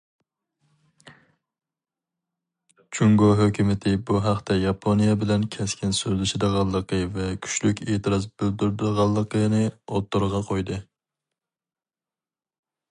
جۇڭگو ھۆكۈمىتى بۇ ھەقتە ياپونىيە بىلەن كەسكىن سۆزلىشىدىغانلىقى ۋە كۈچلۈك ئېتىراز بىلدۈرىدىغانلىقىنى ئوتتۇرىغا قويدى.